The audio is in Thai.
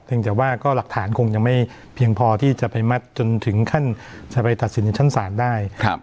ยังแต่ว่าก็หลักฐานคงยังไม่เพียงพอที่จะไปมัดจนถึงขั้นจะไปตัดสินในชั้นศาลได้